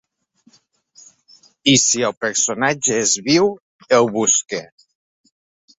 I si el personatge és viu, el busca.